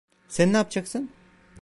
Sen ne yapacaksın?